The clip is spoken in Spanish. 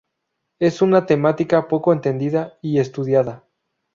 Es una temática poco entendida y estudiada.